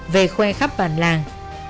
về khoe khắp bản làng